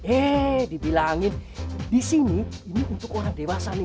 eh dibilangin disini ini untuk orang dewasa nih